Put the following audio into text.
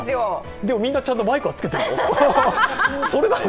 でも、みんなちゃんとマイクはつけてるよ？